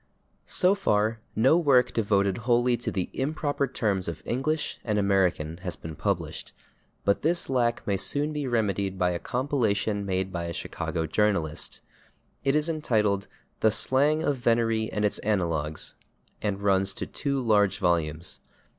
So far no work devoted wholly to the improper terms of English and American has been published, but this lack may be soon remedied by a compilation made by a Chicago journalist. It is entitled "The Slang of Venery and Its Analogues," and runs to two large volumes.